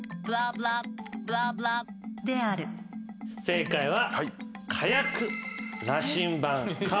正解は。